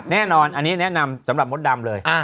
แน่นอนอันนี้แนะนำสำหรับมดดำเลย